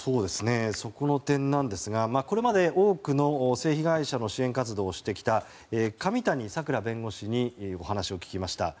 そこの点ですがこれまで多くの性被害者の支援活動をしてきた上谷さくら弁護士にお話を聞きました。